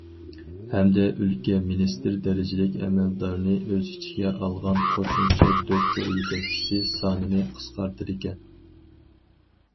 ھەمدە، ئۆلكە- مىنىستىر دەرىجىلىك ئەمەلدارنى ئۆز ئىچىگە ئالغان قوشۇمچە دوكتور يېتەكچىسى سانىنى قىسقارتىدىكەن.